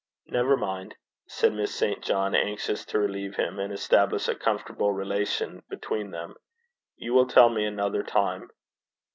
'Never mind,' said Miss St. John, anxious to relieve him, and establish a comfortable relation between them; 'you will tell me another time.'